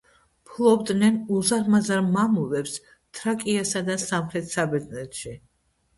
ფლობდნენ უზარმაზარ მამულებს თრაკიასა და სამხრეთ საბერძნეთში.